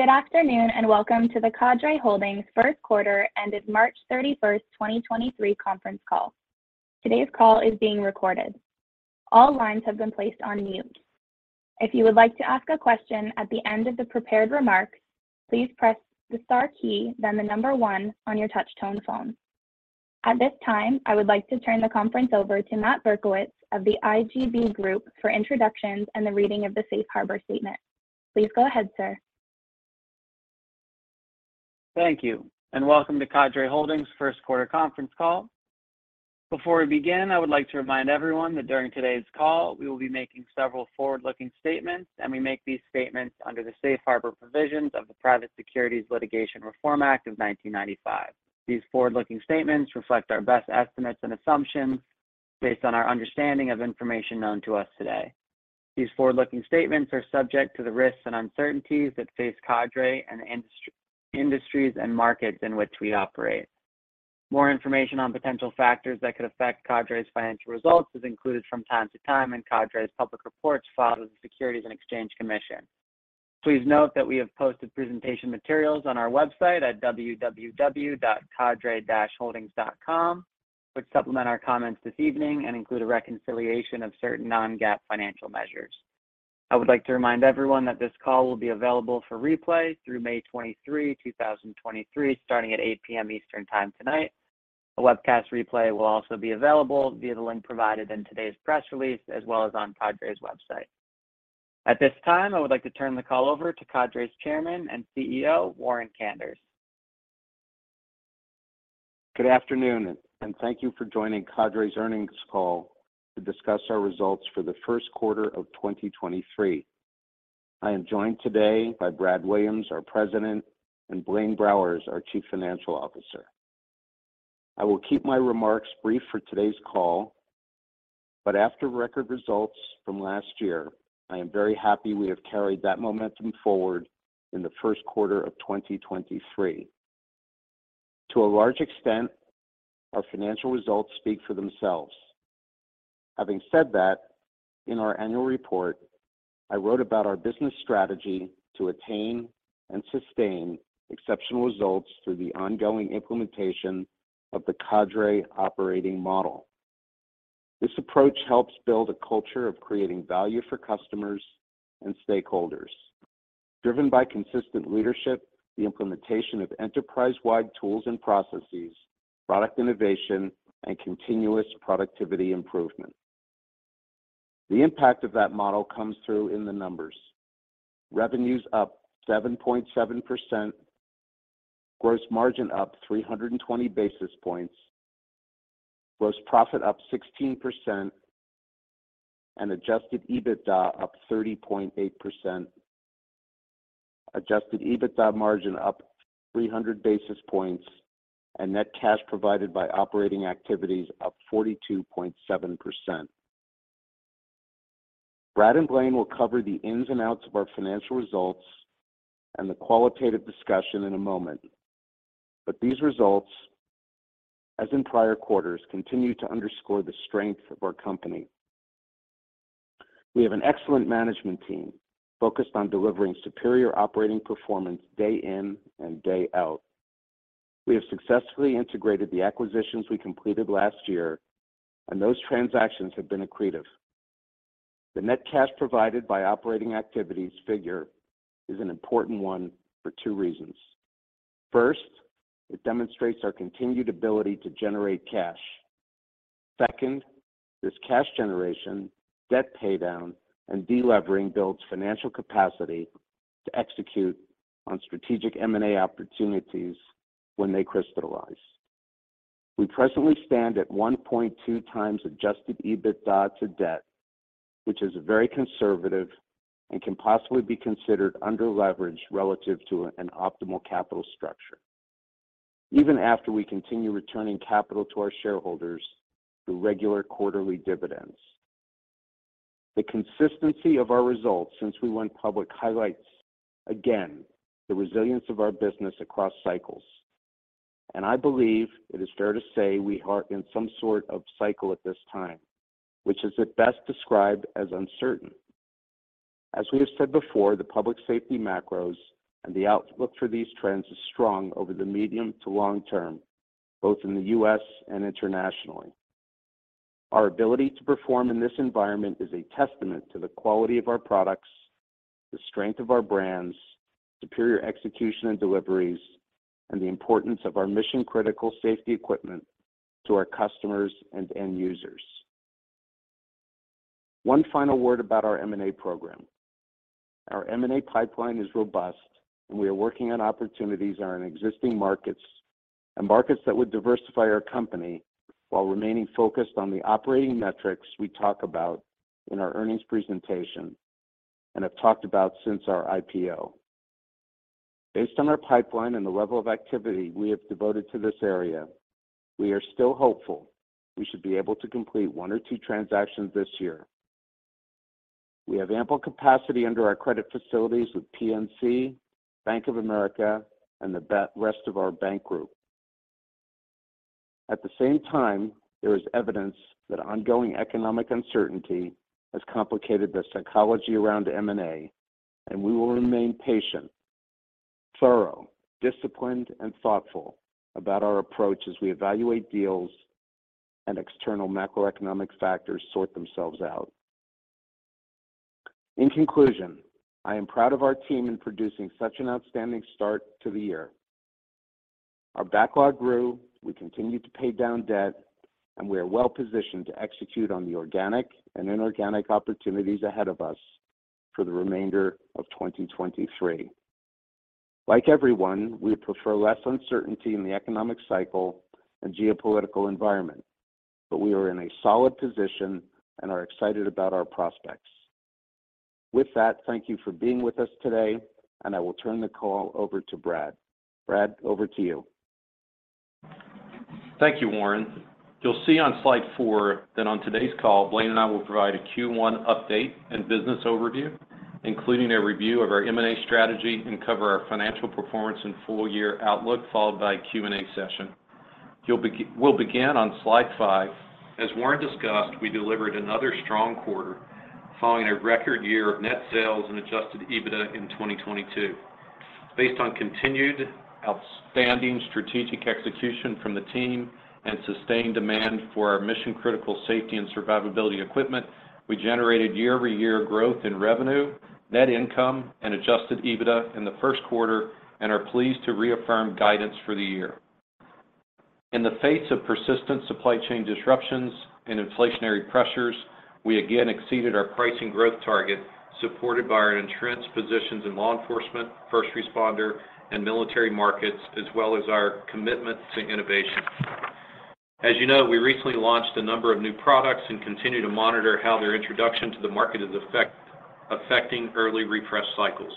Good afternoon, and welcome to the Cadre Holdings Q1 ended March 31st 2023 conference call. Today's call is being recorded. All lines have been placed on mute. If you would like to ask a question at the end of the prepared remarks, please press the star key, then one on your touch-tone phone. At this time, I would like to turn the conference over to Matt Berkowitz of The IGB Group for introductions and the reading of the safe harbor statement. Please go ahead, sir. Thank you. Welcome to Cadre Holdings' Q1 conference call. Before we begin, I would like to remind everyone that during today's call, we will be making several forward-looking statements, and we make these statements under the Safe Harbor provisions of the Private Securities Litigation Reform Act of 1995. These forward-looking statements reflect our best estimates and assumptions based on our understanding of information known to us today. These forward-looking statements are subject to the risks and uncertainties that face Cadre and industries and markets in which we operate. More information on potential factors that could affect Cadre's financial results is included from time to time in Cadre's public reports filed with the Securities and Exchange Commission. Please note that we have posted presentation materials on our website at www.cadre-holdings.com, which supplement our comments this evening and include a reconciliation of certain non-GAAP financial measures. I would like to remind everyone that this call will be available for replay through May 23, 2023, starting at 8:00 P.M. Eastern Time tonight. A webcast replay will also be available via the link provided in today's press release, as well as on Cadre's website. At this time, I would like to turn the call over to Cadre's Chairman and CEO, Warren Kanders. Good afternoon, thank you for joining Cadre's earnings call to discuss our results for the Q1 of 2023. I am joined today by Brad Williams, our President, and Blaine Browers, our Chief Financial Officer. I will keep my remarks brief for today's call, but after record results from last year, I am very happy we have carried that momentum forward in the Q1 of 2023. To a large extent, our financial results speak for themselves. Having said that, in our annual report, I wrote about our business strategy to attain and sustain exceptional results through the ongoing implementation of the Cadre operating model. This approach helps build a culture of creating value for customers and stakeholders. Driven by consistent leadership, the implementation of enterprise-wide tools and processes, product innovation, and continuous productivity improvement. The impact of that model comes through in the numbers. Revenues up 7.7%, gross margin up 320 basis points, gross profit up 16%, and Adjusted EBITDA up 30.8%, Adjusted EBITDA margin up 300 basis points, and net cash provided by operating activities up 42.7%. Brad and Blaine will cover the ins and outs of our financial results and the qualitative discussion in a moment. These results, as in prior quarters, continue to underscore the strength of our company. We have an excellent management team focused on delivering superior operating performance day in and day out. We have successfully integrated the acquisitions we completed last year, and those transactions have been accretive. The net cash provided by operating activities figure is an important one for two reasons. First, it demonstrates our continued ability to generate cash. Second, this cash generation, debt paydown, and delevering builds financial capacity to execute on strategic M&A opportunities when they crystallize. We presently stand at 1.2x Adjusted EBITDA to debt, which is very conservative and can possibly be considered underleveraged relative to an optimal capital structure even after we continue returning capital to our shareholders through regular quarterly dividends. The consistency of our results since we went public highlights, again, the resilience of our business across cycles. I believe it is fair to say we are in some sort of cycle at this time, which is at best described as uncertain. As we have said before, the public safety macros and the outlook for these trends is strong over the medium to long term, both in the U.S. and internationally. Our ability to perform in this environment is a testament to the quality of our products, the strength of our brands, superior execution and deliveries, and the importance of our mission-critical safety equipment to our customers and end users. One final word about our M&A program. Our M&A pipeline is robust, and we are working on opportunities that are in existing markets and markets that would diversify our company while remaining focused on the operating metrics we talk about in our earnings presentation and have talked about since our IPO. Based on our pipeline and the level of activity we have devoted to this area, we are still hopeful we should be able to complete one or two transactions this year. We have ample capacity under our credit facilities with PNC, Bank of America, and the rest of our bank group. At the same time, there is evidence that ongoing economic uncertainty has complicated the psychology around M&A, and we will remain patient, thorough, disciplined, and thoughtful about our approach as we evaluate deals and external macroeconomic factors sort themselves out. In conclusion, I am proud of our team in producing such an outstanding start to the year. Our backlog grew, we continued to pay down debt, and we are well-positioned to execute on the organic and inorganic opportunities ahead of us for the remainder of 2023. Like everyone, we prefer less uncertainty in the economic cycle and geopolitical environment, but we are in a solid position and are excited about our prospects. Thank you for being with us today, and I will turn the call over to Brad. Brad, over to you. Thank you, Warren. You'll see on slide four that on today's call, Blaine and I will provide a Q1 update and business overview, including a review of our M&A strategy and cover our financial performance and full-year outlook, followed by a Q&A session. We'll begin on slide five. As Warren discussed, we delivered another strong quarter following a record year of net sales and Adjusted EBITDA in 2022. Based on continued outstanding strategic execution from the team and sustained demand for our mission-critical safety and survivability equipment, we generated year-over-year growth in revenue, net income, and Adjusted EBITDA in the Q1 and are pleased to reaffirm guidance for the year. In the face of persistent supply chain disruptions and inflationary pressures, we again exceeded our pricing growth target, supported by our entrenched positions in law enforcement, first responder, and military markets, as well as our commitment to innovation. As you know, we recently launched a number of new products and continue to monitor how their introduction to the market is affecting early refresh cycles.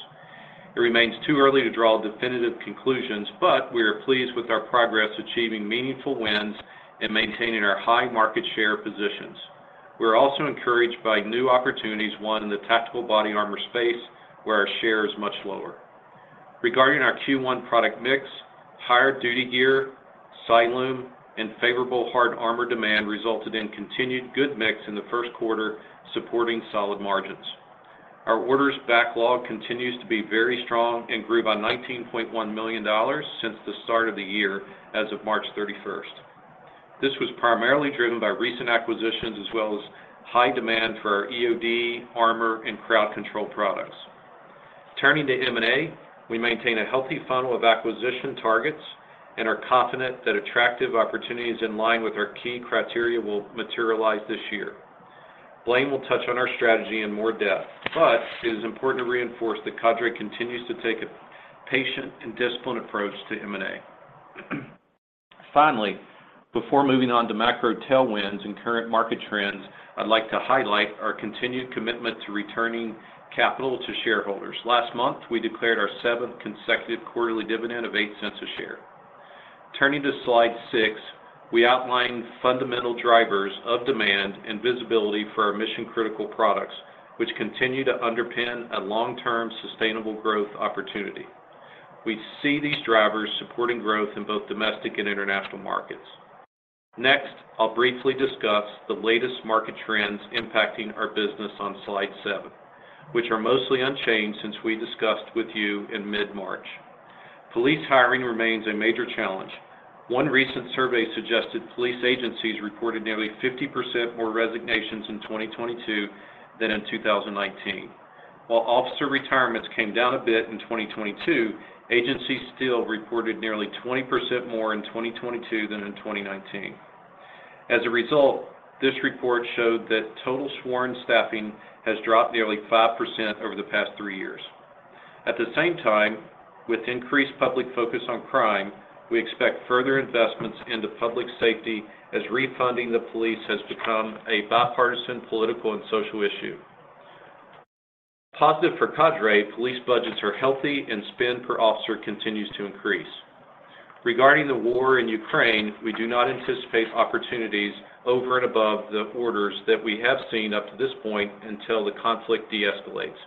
It remains too early to draw definitive conclusions, but we are pleased with our progress achieving meaningful wins and maintaining our high market share positions. We're also encouraged by new opportunities won in the tactical body armor space, where our share is much lower. Regarding our Q1 product mix, higher duty gear, Cyalume, and favorable hard armor demand resulted in continued good mix in the Q1, supporting solid margins. Our orders backlog continues to be very strong and grew by $19.1 million since the start of the year as of March 31st. This was primarily driven by recent acquisitions as well as high demand for our EOD, armor, and crowd control products. Turning to M&A, we maintain a healthy funnel of acquisition targets and are confident that attractive opportunities in line with our key criteria will materialize this year. Blaine will touch on our strategy in more depth, but it is important to reinforce that Cadre continues to take a patient and disciplined approach to M&A. Finally, before moving on to macro tailwinds and current market trends, I'd like to highlight our continued commitment to returning capital to shareholders. Last month, we declared our seventh consecutive quarterly dividend of $0.08 a share. Turning to slide 6, we outlined fundamental drivers of demand and visibility for our mission-critical products, which continue to underpin a long-term sustainable growth opportunity. We see these drivers supporting growth in both domestic and international markets. I'll briefly discuss the latest market trends impacting our business on slide seven, which are mostly unchanged since we discussed with you in mid-March. Police hiring remains a major challenge. One recent survey suggested police agencies reported nearly 50% more resignations in 2022 than in 2019. While officer retirements came down a bit in 2022, agencies still reported nearly 20% more in 2022 than in 2019. As a result, this report showed that total sworn staffing has dropped nearly 5% over the past three years. At the same time, with increased public focus on crime, we expect further investments into public safety as refunding the police has become a bipartisan political and social issue. Positive for Cadre, police budgets are healthy and spend per officer continues to increase. Regarding the war in Ukraine, we do not anticipate opportunities over and above the orders that we have seen up to this point until the conflict deescalates.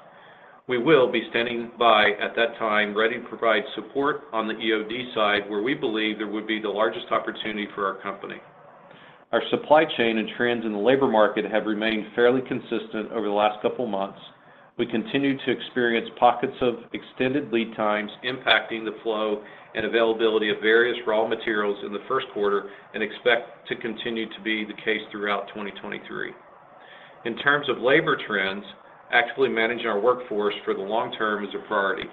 We will be standing by at that time ready to provide support on the EOD side where we believe there would be the largest opportunity for our company. Our supply chain and trends in the labor market have remained fairly consistent over the last couple months. We continue to experience pockets of extended lead times impacting the flow and availability of various raw materials in the Q1 and expect to continue to be the case throughout 2023. In terms of labor trends, actually managing our workforce for the long term is a priority.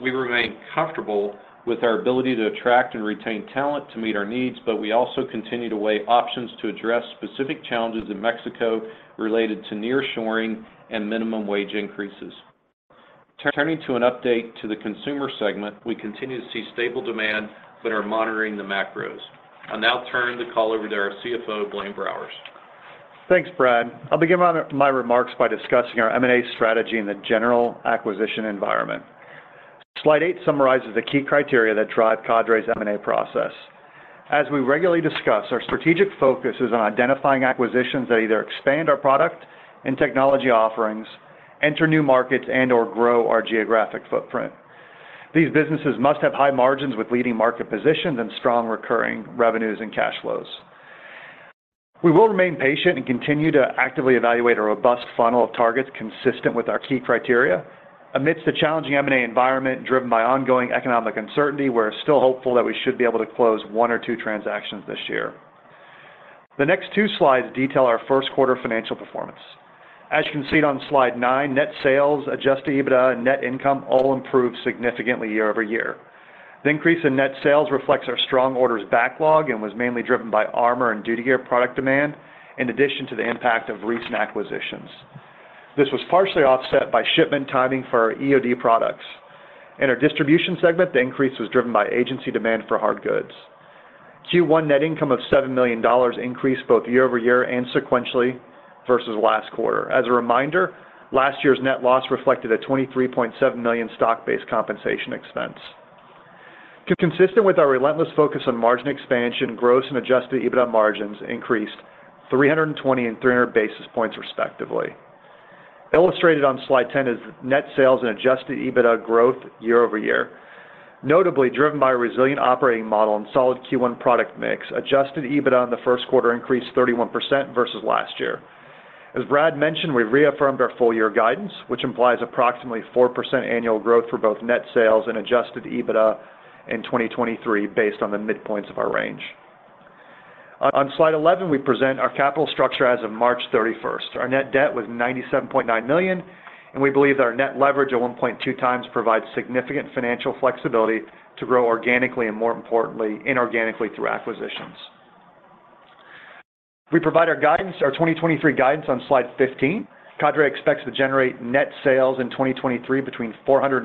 We remain comfortable with our ability to attract and retain talent to meet our needs, but we also continue to weigh options to address specific challenges in Mexico related to nearshoring and minimum wage increases. Turning to an update to the consumer segment, we continue to see stable demand but are monitoring the macros. I'll now turn the call over to our CFO, Blaine Browers. Thanks, Brad. I'll begin my remarks by discussing our M&A strategy in the general acquisition environment. Slide eight summarizes the key criteria that drive Cadre's M&A process. As we regularly discuss, our strategic focus is on identifying acquisitions that either expand our product and technology offerings, enter new markets, and/or grow our geographic footprint. These businesses must have high margins with leading market positions and strong recurring revenues and cash flows. We will remain patient and continue to actively evaluate a robust funnel of targets consistent with our key criteria. Amidst the challenging M&A environment driven by ongoing economic uncertainty, we're still hopeful that we should be able to close one or two transactions this year. The next two slides detail our Q1 financial performance. As you can see it on slide nine, net sales, Adjusted EBITDA, net income all improved significantly year-over-year. Was mainly driven by armor and duty gear product demand, in addition to the impact of recent acquisitions. This was partially offset by shipment timing for our EOD products. In our distribution segment, the increase was driven by agency demand for hard goods. Q1 net income of $7 million increased both year-over-year and sequentially versus last quarter. As a reminder, last year's net loss reflected a $23.7 million stock-based compensation expense. Consistent with our relentless focus on margin expansion, gross and Adjusted EBITDA margins increased 320 and 300 basis points respectively. Illustrated on slide 10 is net sales and Adjusted EBITDA growth year-over-year, notably driven by a resilient operating model and solid Q1 product mix. Adjusted EBITDA in the Q1 increased 31% versus last year. As Brad mentioned, we've reaffirmed our full year guidance, which implies approximately 4% annual growth for both net sales and Adjusted EBITDA in 2023 based on the midpoints of our range. On slide 11, we present our capital structure as of March 31st. Our net debt was $97.9 million. We believe that our net leverage of 1.2x provides significant financial flexibility to grow organically and more importantly, inorganically through acquisitions. We provide our 2023 guidance on slide 15. Cadre expects to generate net sales in 2023 between $463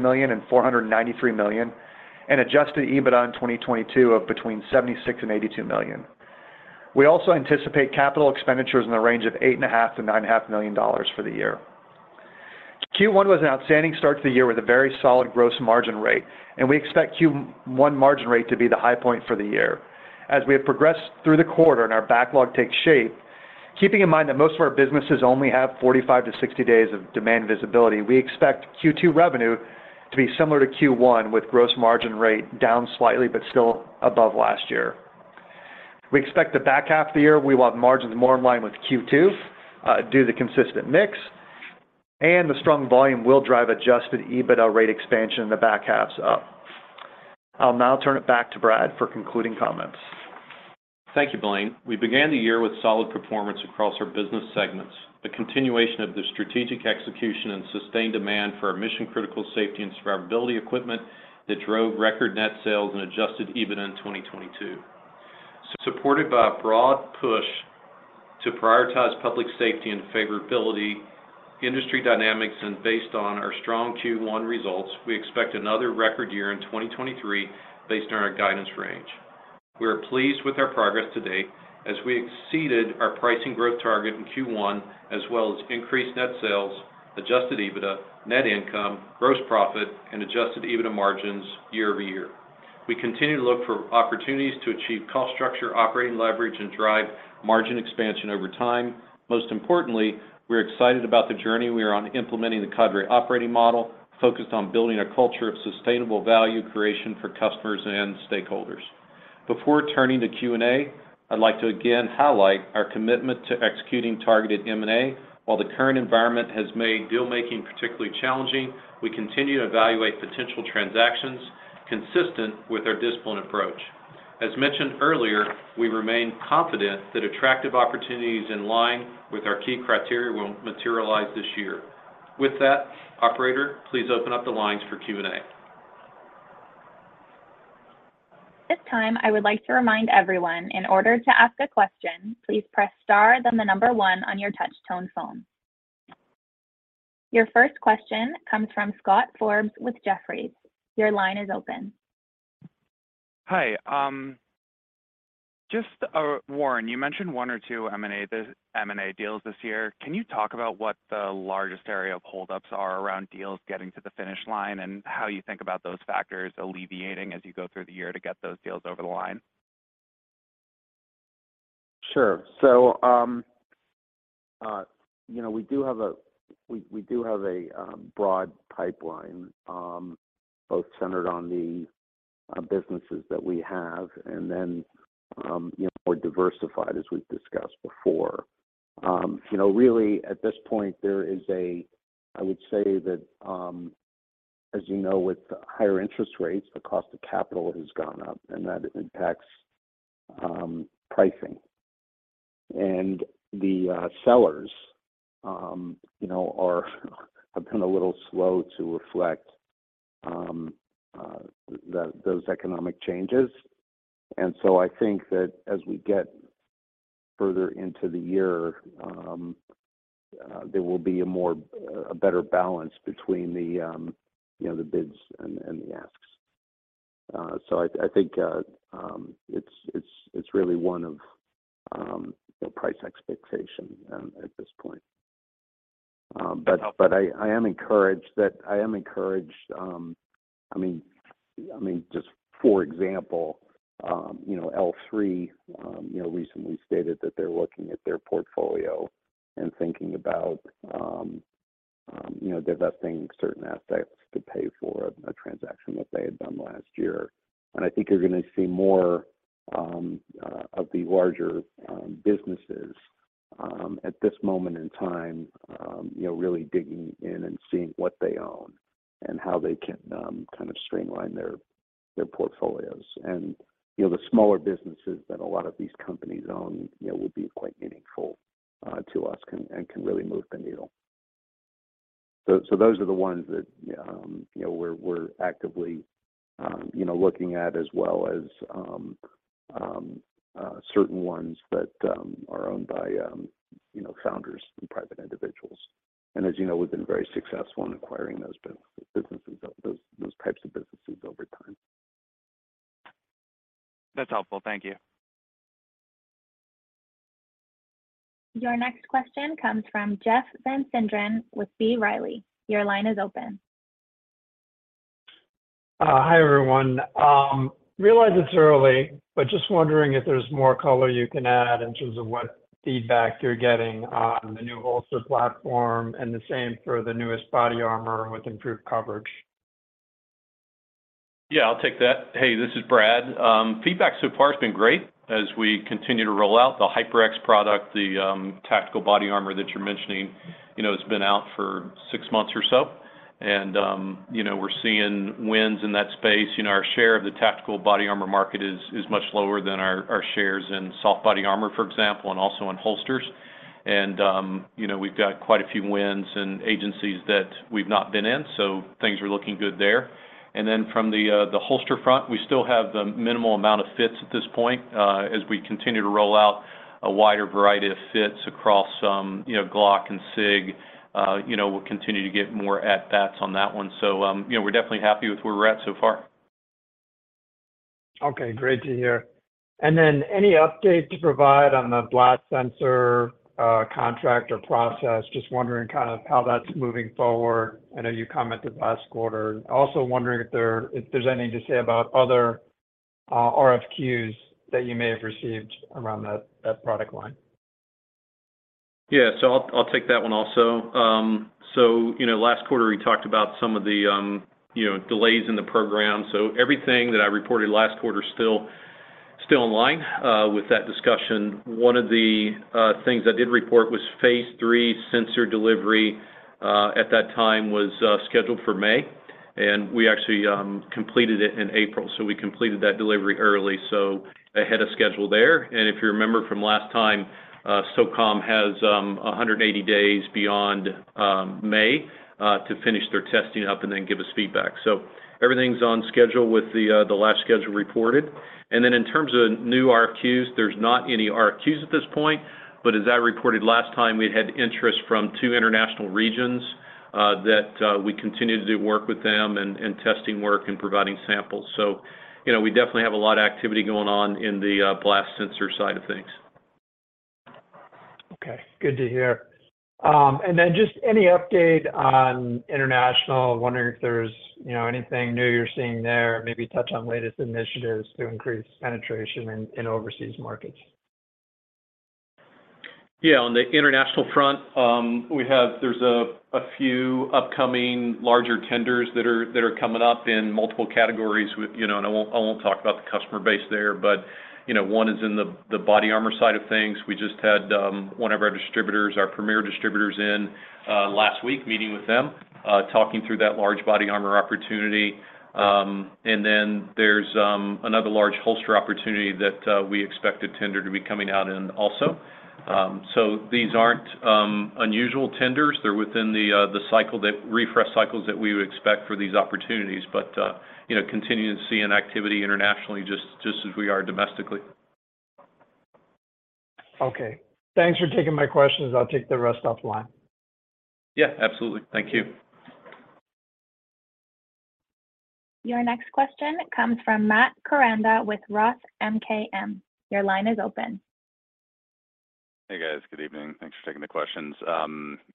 million and $493 million, and Adjusted EBITDA in 2022 of between $76 million and $82 million. We also anticipate capital expenditures in the range of $8.5 million-$9.5 million for the year. Q1 was an outstanding start to the year with a very solid gross margin rate. We expect Q1 margin rate to be the high point for the year. As we have progressed through the quarter and our backlog takes shape, keeping in mind that most of our businesses only have 45 to 60 days of demand visibility, we expect Q2 revenue to be similar to Q1 with gross margin rate down slightly but still above last year. We expect the back half of the year, we want margins more in line with Q2, due to consistent mix and the strong volume will drive Adjusted EBITDA rate expansion in the back half's up. I'll now turn it back to Brad for concluding comments. Thank you, Blaine. We began the year with solid performance across our business segments. The continuation of the strategic execution and sustained demand for our mission-critical safety and survivability equipment that drove record net sales and Adjusted EBITDA in 2022. Supported by a broad push to prioritize public safety and favorability industry dynamics, and based on our strong Q1 results, we expect another record year in 2023 based on our guidance range. We are pleased with our progress to date as we exceeded our pricing growth target in Q1, as well as increased net sales, Adjusted EBITDA, net income, gross profit, and Adjusted EBITDA margins year-over-year. We continue to look for opportunities to achieve cost structure, operating leverage, and drive margin expansion over time. Most importantly, we're excited about the journey we are on implementing the Cadre operating model, focused on building a culture of sustainable value creation for customers and stakeholders. Before turning to Q&A, I'd like to again highlight our commitment to executing targeted M&A. While the current environment has made deal-making particularly challenging, we continue to evaluate potential transactions consistent with our disciplined approach. As mentioned earlier, we remain confident that attractive opportunities in line with our key criteria will materialize this year. With that, operator, please open up the lines for Q&A. At this time, I would like to remind everyone in order to ask a question, please press star then the number 1 on your touch tone phone. Your first question comes from Scott Forbes with Jefferies. Your line is open. Hi. just Warren, you mentioned one or two M&A deals this year. Can you talk about what the largest area of holdups are around deals getting to the finish line, and how you think about those factors alleviating as you go through the year to get those deals over the line? Sure. You know, we do have a broad pipeline, both centered on the businesses that we have and then, you know, more diversified as we've discussed before. You know, really at this point I would say that, as you know, with higher interest rates, the cost of capital has gone up and that impacts pricing. The sellers, you know, are have been a little slow to reflect those economic changes. I think that as we get further into the year, there will be a better balance between the, you know, the bids and the asks. I think it's really one of, you know, price expectation at this point. I am encouraged. I am encouraged, I mean. I mean, just for example, you know, L3Harris, you know, recently stated that they're looking at their portfolio and thinking about, you know, divesting certain aspects to pay for a transaction that they had done last year. I think you're gonna see more of the larger businesses at this moment in time, you know, really digging in and seeing what they own and how they can kind of streamline their portfolios. You know, the smaller businesses that a lot of these companies own, you know, will be quite meaningful to us can, and can really move the needle. Those are the ones that, you know, we're actively, you know, looking at, as well as certain ones that are owned by, you know, founders and private individuals. As you know, we've been very successful in acquiring those businesses, those types of businesses over time. That's helpful. Thank you. Your next question comes from Jeff Van Sinderen with B. Riley. Your line is open. Hi, everyone. Realize it's early, but just wondering if there's more color you can add in terms of what feedback you're getting on the new holster platform and the same for the newest body armor with improved coverage? I'll take that. Hey, this is Brad. Feedback so far has been great as we continue to roll out the HyperX product, the tactical body armor that you're mentioning. You know, it's been out for 6 months or so, you know, we're seeing wins in that space. You know, our share of the tactical body armor market is much lower than our shares in soft body armor, for example, and also in holsters. You know, we've got quite a few wins and agencies that we've not been in, so things are looking good there. From the holster front, we still have the minimal amount of fits at this point. As we continue to roll out a wider variety of fits across some, you know, GLOCK and SIG, you know, we'll continue to get more at bats on that one. you know, we're definitely happy with where we're at so far. Okay, great to hear. Any update to provide on the blast sensor contract or process? Just wondering kind of how that's moving forward. I know you commented last quarter. Also wondering if there's anything to say about other RFQs that you may have received around that product line. Yeah. I'll take that one also. You know, last quarter we talked about some of the, you know, delays in the program. Everything that I reported last quarter is still in line with that discussion. One of the things I did report was Phase III blast sensor delivery at that time was scheduled for May, and we actually completed it in April. We completed that delivery early, ahead of schedule there. If you remember from last time, SOCOM has 180 days beyond May to finish their testing up and then give us feedback. Everything's on schedule with the last schedule reported. In terms of new RFQs, there's not any RFQs at this point, but as I reported last time, we had interest from two international regions that we continue to do work with them and testing work and providing samples. You know, we definitely have a lot of activity going on in the blast sensor side of things. Okay, good to hear. Then just any update on international? Wondering if there's, you know, anything new you're seeing there. Maybe touch on latest initiatives to increase penetration in overseas markets. Yeah. On the international front, there's a few upcoming larger tenders that are coming up in multiple categories with, you know, and I won't talk about the customer base there, but, you know, one is in the body armor side of things. We just had one of our distributors, our premier distributors in last week meeting with them, talking through that large body armor opportunity. Then there's another large holster opportunity that we expect a tender to be coming out in also. So these aren't unusual tenders. They're within the cycle that, refresh cycles that we would expect for these opportunities. You know, continuing to see an activity internationally just as we are domestically. Okay. Thanks for taking my questions. I'll take the rest offline. Yeah, absolutely. Thank you. Your next question comes from Matt Koranda with ROTH MKM. Your line is open. Hey, guys. Good evening. Thanks for taking the questions.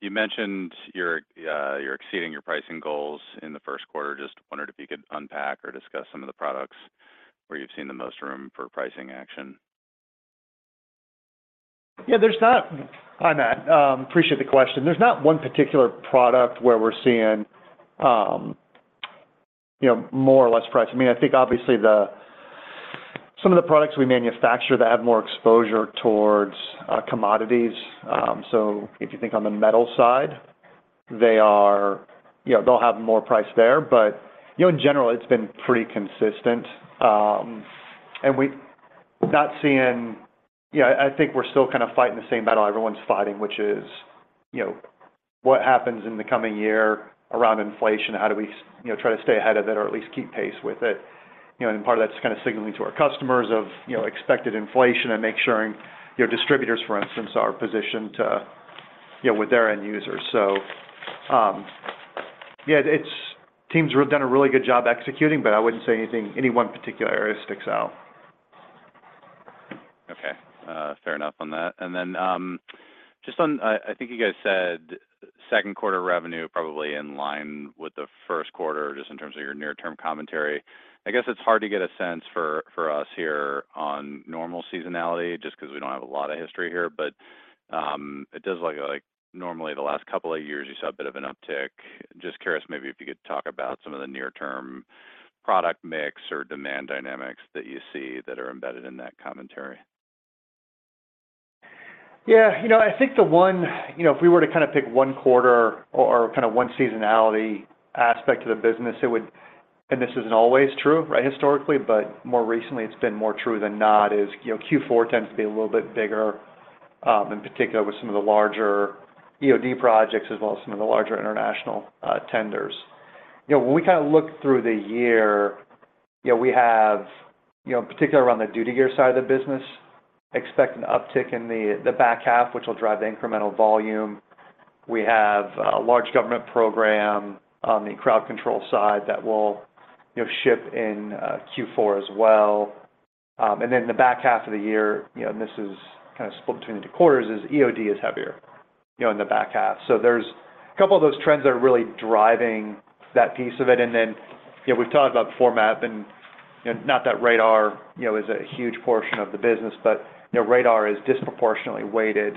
You mentioned you're exceeding your pricing goals in the Q1. Just wondered if you could unpack or discuss some of the products where you've seen the most room for pricing action. Hi, Matt. Appreciate the question. There's not one particular product where we're seeing, you know, more or less price. I mean, I think obviously some of the products we manufacture that have more exposure towards commodities. If you think on the metal side, they are, you know, they'll have more price there. You know, in general, it's been pretty consistent. We're not seeing... You know, I think we're still kind of fighting the same battle everyone's fighting, which is, you know, what happens in the coming year around inflation. How do we, you know, try to stay ahead of it or at least keep pace with it? You know, part of that's kind of signaling to our customers of, you know, expected inflation and making sure, you know, distributors, for instance, are positioned to, you know, with their end users. Yeah, teams have done a really good job executing, but I wouldn't say anything, any one particular area sticks out. Fair enough on that. Just on, I think you guys said Q2 revenue probably in line with the Q1, just in terms of your near-term commentary. I guess it's hard to get a sense for us here on normal seasonality just 'cause we don't have a lot of history here. It does look like normally the last couple of years you saw a bit of an uptick. Just curious maybe if you could talk about some of the near-term product mix or demand dynamics that you see that are embedded in that commentary? Yeah. You know, I think the one... You know, if we were to kind of pick one quarter or kind of one seasonality aspect of the business, it would, and this isn't always true, right, historically, but more recently it's been more true than not is, you know, Q4 tends to be a little bit bigger, in particular with some of the larger EOD projects as well as some of the larger international, tenders. You know, when we kind of look through the year, you know, we have, you know, in particular around the duty gear side of the business, expect an uptick in the back half, which will drive the incremental volume. We have a large government program on the crowd control side that will, you know, ship in, Q4 as well. In the back half of the year, you know, and this is kind of split between the two quarters, is EOD is heavier, you know, in the back half. There's a couple of those trends that are really driving that piece of it. You know, we've talked about format and, you know, not that Radar, you know, is a huge portion of the business, but, you know, Radar is disproportionately weighted,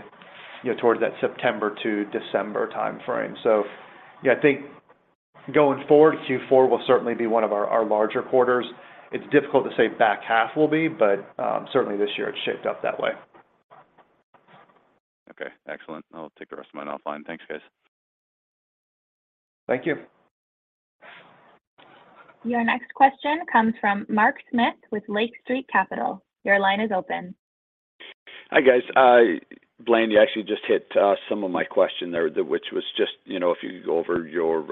you know, towards that September to December timeframe. You know, I think going forward, Q4 will certainly be one of our larger quarters. It's difficult to say back half will be, but certainly this year it's shaped up that way. Okay. Excellent. I'll take the rest of mine offline. Thanks, guys. Thank you. Your next question comes from Mark Smith with Lake Street Capital. Your line is open. Hi, guys. Blaine, you actually just hit some of my question there, which was just, you know, if you could go over your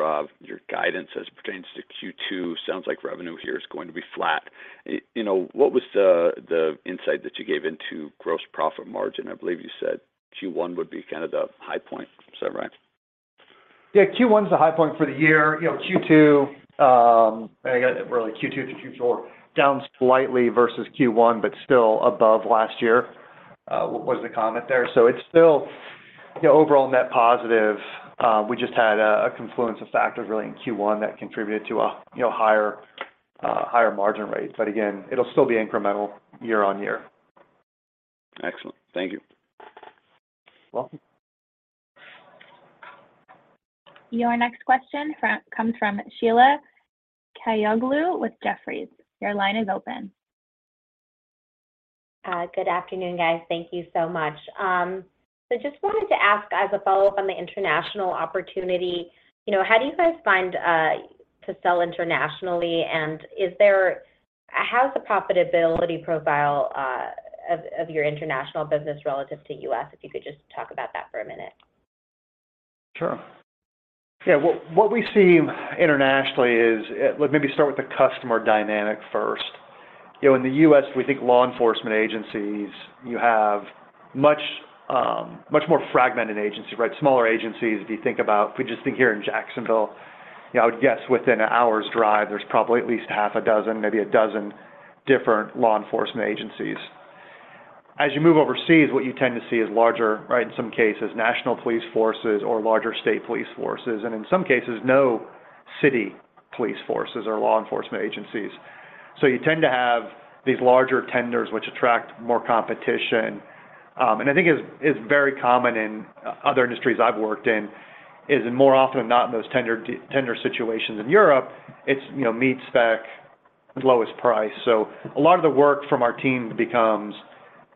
guidance as it pertains to Q2. Sounds like revenue here is going to be flat. You know, what was the insight that you gave into gross profit margin? I believe you said Q1 would be kind of the high point. Is that right? Q1 is the high point for the year. You know, Q2, really Q2 through Q4, down slightly versus Q1, but still above last year was the comment there. It's still, you know, overall net positive. We just had a confluence of factors really in Q1 that contributed to a, you know, higher margin rate. Again, it'll still be incremental year-over-year. Excellent. Thank you. You're welcome. Your next question comes from Sheila Kahyaoglu with Jefferies. Your line is open. Good afternoon, guys. Thank you so much. Just wanted to ask as a follow-up on the international opportunity, you know, how do you guys find to sell internationally? How's the profitability profile of your international business relative to U.S., if you could just talk about that for a minute? Sure. Yeah. What we see internationally is, let me start with the customer dynamic first. You know, in the U.S., we think law enforcement agencies, you have much, much more fragmented agencies, right? Smaller agencies. If you think about, if we just think here in Jacksonville, you know, I would guess within an hour's drive, there's probably at least half a dozen, maybe a dozen different law enforcement agencies. As you move overseas, what you tend to see is larger, right, in some cases, national police forces or larger state police forces, and in some cases, no city police forces or law enforcement agencies. You tend to have these larger tenders which attract more competition. I think it's very common in other industries I've worked in, is in more often than not in those tender situations. In Europe, it's, you know, meet spec with lowest price. A lot of the work from our team becomes,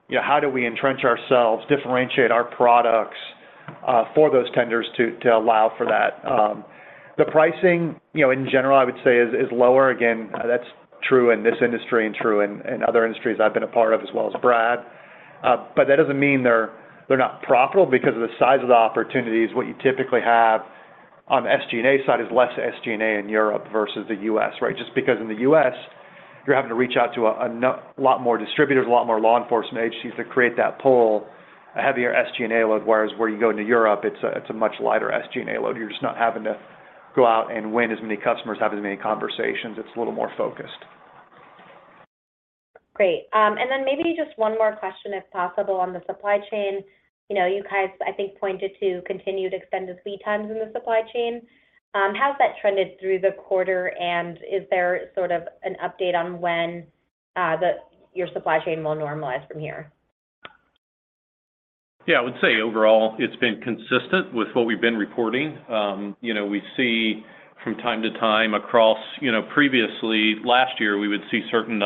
you know, how do we entrench ourselves, differentiate our products, for those tenders to allow for that. The pricing, you know, in general, I would say is lower. Again, that's true in this industry and true in other industries I've been a part of as well as Brad. That doesn't mean they're not profitable. Because of the size of the opportunities, what you typically have on the SG&A side is less SG&A in Europe versus the U.S., right? Just because in the U.S., you're having to reach out to a lot more distributors, a lot more law enforcement agencies to create that pool, a heavier SG&A load, whereas where you go into Europe, it's a much lighter SG&A load. You're just not having to go out and win as many customers, have as many conversations. It's a little more focused. Great. Maybe just one more question, if possible, on the supply chain. You know, you guys, I think, pointed to continued extended lead times in the supply chain. How has that trended through the quarter, and is there sort of an update on when your supply chain will normalize from here? I would say overall, it's been consistent with what we've been reporting. You know, we see from time to time across, you know, previously last year, we would see certain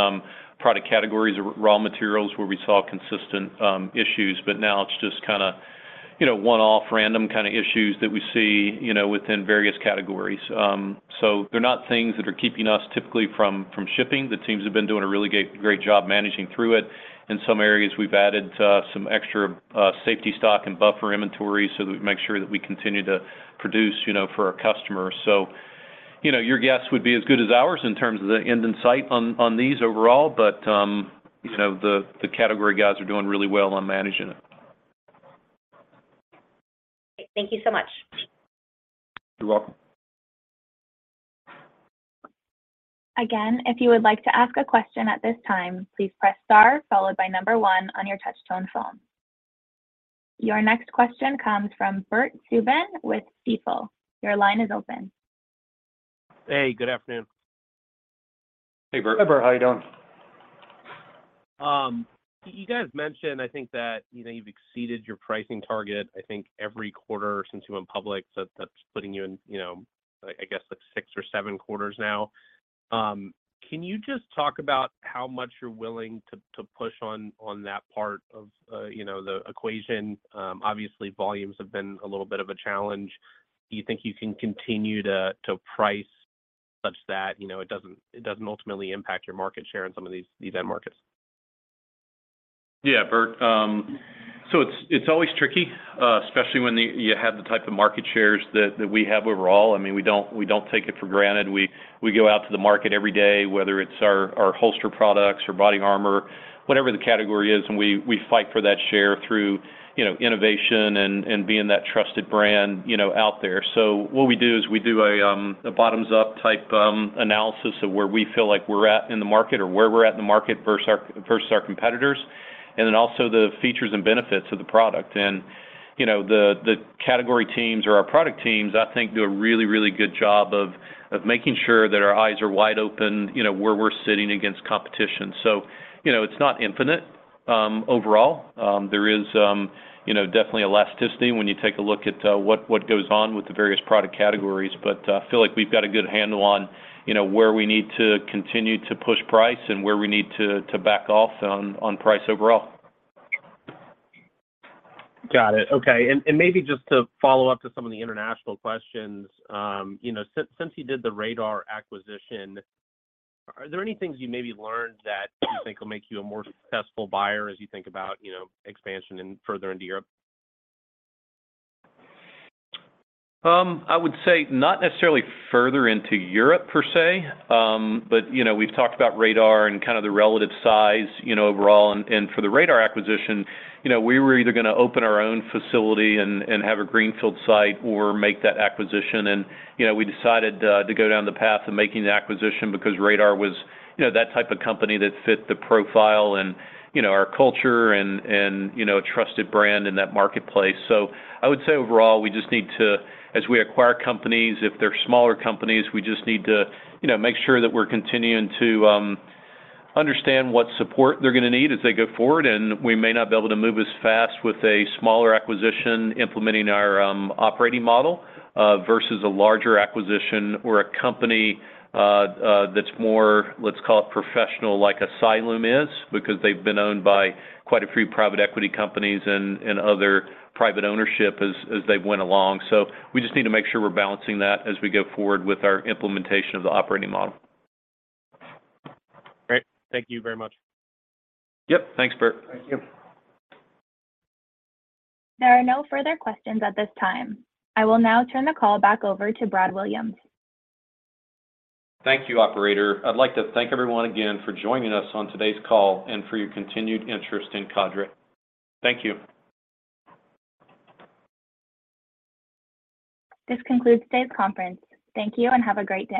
product categories or raw materials where we saw consistent issues. Now it's just kinda, you know, one-off random kinda issues that we see, you know, within various categories. They're not things that are keeping us typically from shipping. The teams have been doing a really great job managing through it. In some areas, we've added some extra safety stock and buffer inventory so that we make sure that we continue to produce, you know, for our customers. You know, your guess would be as good as ours in terms of the end in sight on these overall. you know, the category guys are doing really well on managing it. Great. Thank you so much. You're welcome. Again, if you would like to ask a question at this time, please press star followed by number one on your touch-tone phone. Your next question comes from Bert Subin with Stifel. Your line is open. Hey, good afternoon. Hey, Bert. Bert, how you doing? You guys mentioned, I think, that, you know, you've exceeded your pricing target, I think, every quarter since you went public, so that's putting you in, you know, I guess like six or seven quarters now. Can you just talk about how much you're willing to push on that part of, you know, the equation? Obviously volumes have been a little bit of a challenge. Do you think you can continue to price such that, you know, it doesn't, it doesn't ultimately impact your market share in some of these end markets? Yeah, Bert. It's, it's always tricky, especially when the, you have the type of market shares that we have overall. I mean, we don't, we don't take it for granted. We, we go out to the market every day, whether it's our holster products or body armor, whatever the category is, and we fight for that share through, you know, innovation and being that trusted brand, you know, out there. What we do is we do a bottoms-up type analysis of where we feel like we're at in the market or where we're at in the market versus our, versus our competitors, and then also the features and benefits of the product. You know, the category teams or our product teams I think do a really, really good job of making sure that our eyes are wide open, you know, where we're sitting against competition. You know, it's not infinite. Overall, there is, you know, definitely elasticity when you take a look at what goes on with the various product categories. I feel like we've got a good handle on, you know, where we need to continue to push price and where we need to back off on price overall. Got it. Okay. Maybe just to follow up to some of the international questions. You know, since you did the Radar acquisition, are there any things you maybe learned that you think will make you a more successful buyer as you think about, you know, expansion in further into Europe? I would say not necessarily further into Europe per se. You know, we've talked about Radar and kind of the relative size, you know, overall. For the Radar acquisition, you know, we were either gonna open our own facility and have a greenfield site or make that acquisition. You know, we decided to go down the path of making the acquisition because Radar was, you know, that type of company that fit the profile and, you know, our culture and, you know, a trusted brand in that marketplace. I would say overall, we just need to, as we acquire companies, if they're smaller companies, we just need to, you know, make sure that we're continuing to understand what support they're gonna need as they go forward. We may not be able to move as fast with a smaller acquisition implementing our operating model versus a larger acquisition or a company that's more, let's call it professional like a Cyalume is because they've been owned by quite a few private equity companies and other private ownership as they went along. We just need to make sure we're balancing that as we go forward with our implementation of the operating model. Great. Thank you very much. Yep. Thanks, Bert. Thank you. There are no further questions at this time. I will now turn the call back over to Brad Williams. Thank you, operator. I'd like to thank everyone again for joining us on today's call and for your continued interest in Cadre. Thank you. This concludes today's conference. Thank you. Have a great day.